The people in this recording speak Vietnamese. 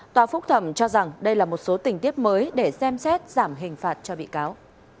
tòa phúc thẩm cho rằng đây là một số tình tiết mới để xem xét giảm hình phạt cho bị cáo